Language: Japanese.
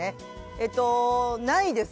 えっとないです。